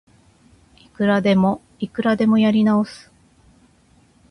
いくらでもいくらでもやり直す